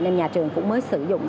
nên nhà trường cũng mới sử dụng